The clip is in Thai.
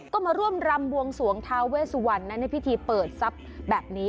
ก็มาร่วมรำบวงสวงท้าเวสวันในพิธีเปิดทรัพย์แบบนี้